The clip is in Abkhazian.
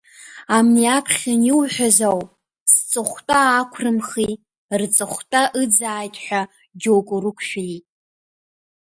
Амни аԥхьан иуҳәаз ауп, сҵыхәтәа аақәрымхи, рҵыхәтәа ыӡааит ҳәа џьоук урықәшәиит.